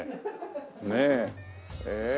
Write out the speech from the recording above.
ねえええ。